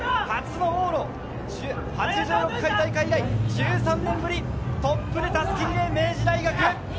初の往路、８６回大会以来１３年ぶりトップで襷リレー、明治大学。